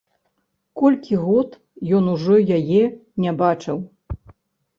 Колькі год ён ужо яе не бачыў!